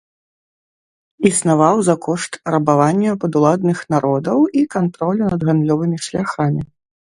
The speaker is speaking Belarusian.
Існаваў за кошт рабавання падуладных народаў і кантролю над гандлёвымі шляхамі.